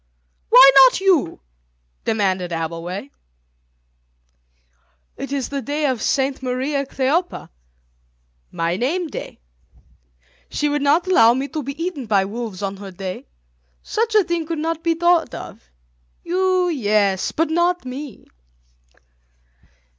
"Why not you?" demanded Abbleway. "It is the day of Saint Mariä Kleophä, my name day. She would not allow me to be eaten by wolves on her day. Such a thing could not be thought of. You, yes, but not me."